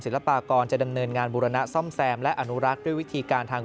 ปากรจะดำเนินงานบุรณะซ่อมแซมและอนุรักษ์ด้วยวิธีการทาง